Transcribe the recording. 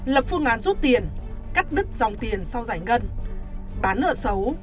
lập phương án rút tiền cắt đứt dòng tiền sau giải ngân bán nợ xấu